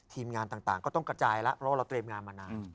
ทีมงานต่างก็ต้องกระจายแล้วเพราะว่าเราเตรียมงานมานาน